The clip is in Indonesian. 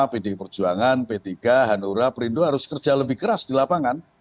pdi perjuangan p tiga hanura perindo harus kerja lebih keras di lapangan